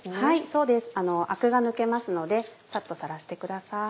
そうですアクが抜けますのでサッとさらしてください。